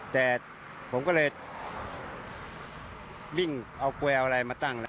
แต่ผมก็เลยวิ่งเอาแกวล์อะไรมาตั้ง